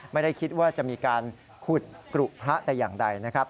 ไม่ได้คิดว่าจะมีการขุดกรุพระแต่อย่างใดนะครับ